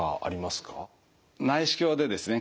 内視鏡でですね